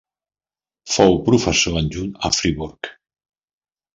Fou professor adjunt a Friburg.